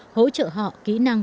hỗ trợ họ kỹ năng